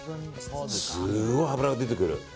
すごい脂が出てくる。